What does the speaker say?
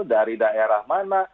dari daerah mana